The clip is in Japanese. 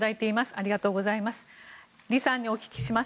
ありがとうございます。